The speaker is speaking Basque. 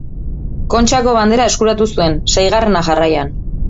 Kontxako Bandera eskuratu zuen, seigarrena jarraian.